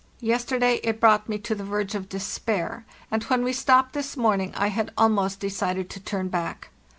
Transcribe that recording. Yester day it brought me to the verge of despair, and when we stopped this morning I had almost decided to turn back.